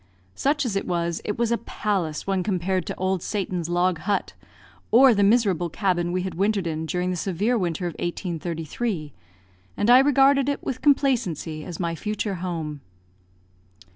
Such as it was, it was a palace when compared to Old Satan's log hut, or the miserable cabin we had wintered in during the severe winter of 1833, and I regarded it with complacency as my future home.